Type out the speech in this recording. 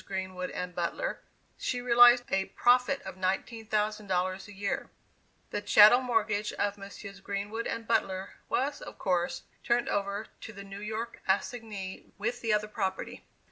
Greenwood and Butler, she realized a profit of $19,000 a year. The chattel mortgage of Messrs. Greenwood and Butler, was, of course, turned over to the New York assignee with the other property.